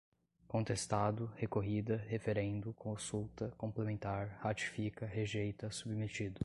contestado, recorrida, referendo, consulta, complementar, ratifica, rejeita, submetido